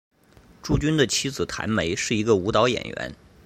朱军的妻子谭梅是一个舞蹈演员。